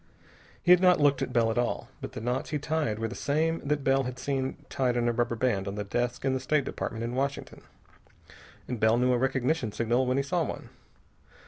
He had not looked at Bell at all, but the knots he tied were the same that Bell had last seen tied in a rubber band on a desk in the State Department in Washington. And Bell knew a recognition signal when he saw one.